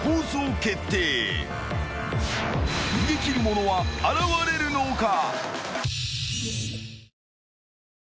［逃げ切る者は現れるのか！？］